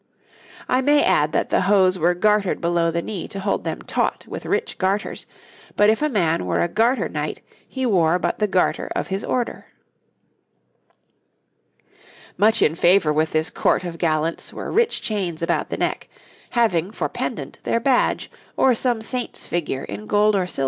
I may add that the hose were gartered below the knee to hold them taut with rich garters, but if a man were a Garter Knight he wore but the garter of his Order. [Illustration: {Evolution of the hood to the chaperon}] Much in favour with this court of gallants were rich chains about the neck, having for pendant their badge or some saint's figure in gold or silver.